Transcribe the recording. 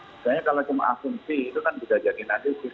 misalnya kalau cuma asumsi itu kan bisa jadi nanti